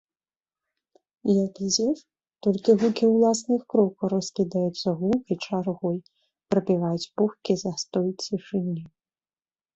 Як ідзеш, толькі гукі ўласных крокаў раскідаюцца гулкай чаргой, прабіваюць пухкі застой цішыні.